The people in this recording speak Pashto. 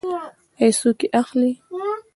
آیا څوک یې اخلي؟